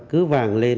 cứ vàng lên